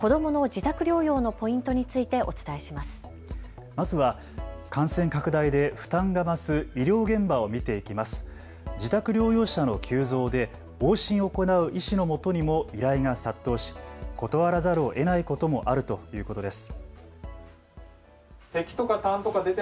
自宅療養者の急増で往診を行う医師のもとにも依頼が殺到し断らざるをえないこともあるということです。